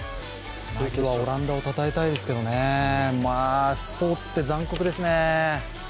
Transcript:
オランダをたたえたいですけどね、スポーツって残酷ですね。